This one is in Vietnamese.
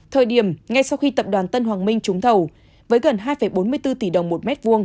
thời điểm ngay sau khi tập đoàn tân hoàng minh trúng thầu với gần hai bốn mươi bốn tỷ đồng một m hai